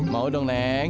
mau dong neng